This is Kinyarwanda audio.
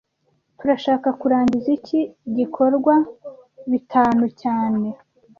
Turashaka kurangiza iki gikorwa bitanu cyane